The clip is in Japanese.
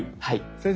先生